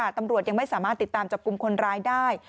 ตำรวจยังไม่สามารถติดตามจับกลุ่มคนร้ายได้